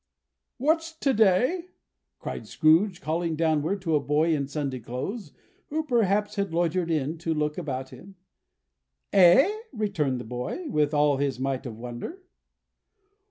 "What's to day?" cried Scrooge, calling downward to a boy in Sunday clothes, who perhaps had loitered in to look about him. "Eh?" returned the boy, with all his might of wonder.